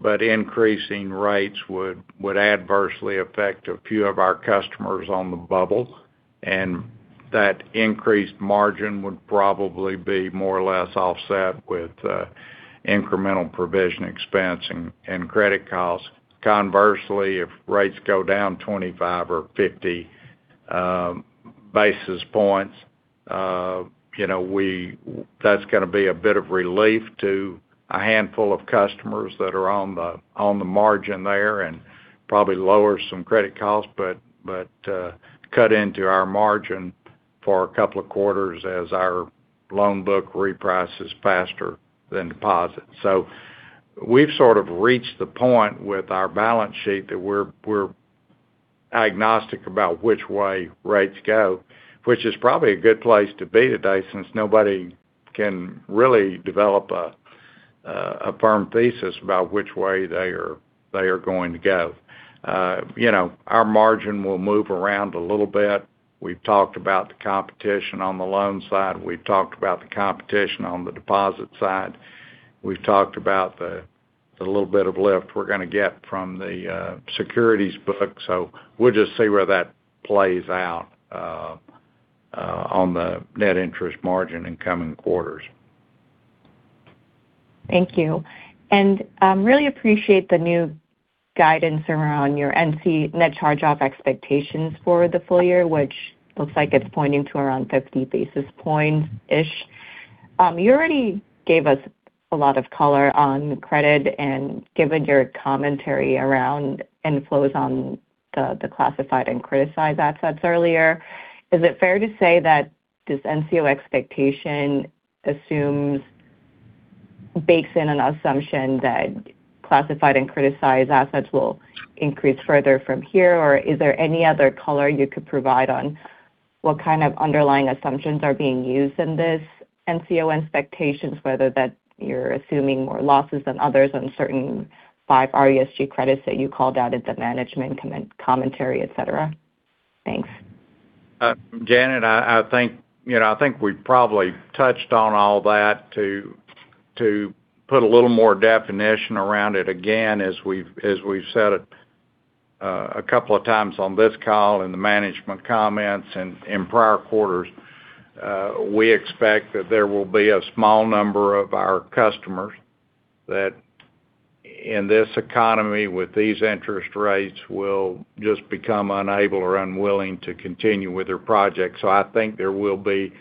but increasing rates would adversely affect a few of our customers on the bubble, and that increased margin would probably be more or less offset with incremental provision expense and credit costs. Conversely, if rates go down 25 or 50 basis points, that's going to be a bit of relief to a handful of customers that are on the margin there and probably lower some credit costs, but cut into our margin for a couple of quarters as our loan book reprices faster than deposits. We've sort of reached the point with our balance sheet that we're agnostic about which way rates go, which is probably a good place to be today, since nobody can really develop a firm thesis about which way they are going to go. Our margin will move around a little bit. We've talked about the competition on the loan side. We've talked about the competition on the deposit side. We've talked about the little bit of lift we're going to get from the securities book. We'll just see where that plays out on the net interest margin in coming quarters. Thank you. I really appreciate the new guidance around your NCO, net charge-off expectations for the full year, which looks like it's pointing to around 50 basis points-ish. You already gave us a lot of color on credit, and given your commentary around inflows on the classified and criticized assets earlier, is it fair to say that this NCO expectation bakes in an assumption that classified and criticized assets will increase further from here? Or is there any other color you could provide on what kind of underlying assumptions are being used in this NCO expectations, whether that you're assuming more losses than others on certain five RESG credits that you called out at the management commentary, et cetera? Thanks. Janet, I think we've probably touched on all that. To put a little more definition around it, again, as we've said it a couple of times on this call, in the management comments, and in prior quarters, we expect that there will be a small number of our customers that, in this economy, with these interest rates, will just become unable or unwilling to continue with their project. I think there will be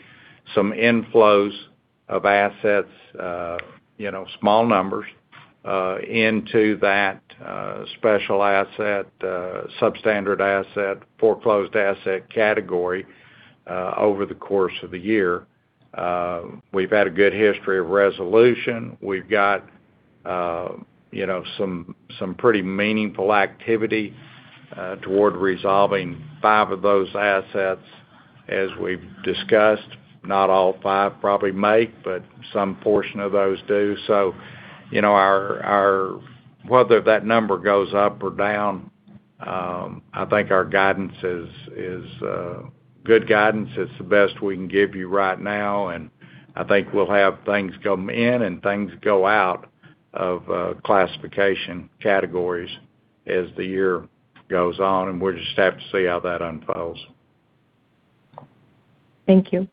some inflows of assets, small numbers, into that special asset, substandard asset, foreclosed asset category, over the course of the year. We've had a good history of resolution. We've got some pretty meaningful activity toward resolving five of those assets. As we've discussed, not all five probably make, but some portion of those do. Whether that number goes up or down, I think our guidance is good guidance. It's the best we can give you right now, and I think we'll have things come in and things go out of classification categories as the year goes on, and we'll just have to see how that unfolds. Thank you.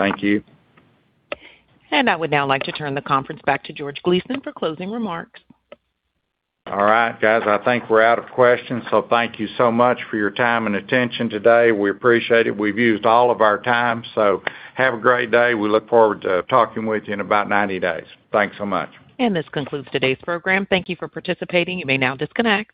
Thank you. I would now like to turn the conference back to George Gleason for closing remarks. All right, guys. I think we're out of questions, so thank you so much for your time and attention today. We appreciate it. We've used all of our time, so have a great day. We look forward to talking with you in about 90 days. Thanks so much. This concludes today's program. Thank you for participating. You may now disconnect.